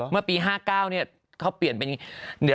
เมื่อปี๕๙เขาเปลี่ยนเป็นอย่างงี้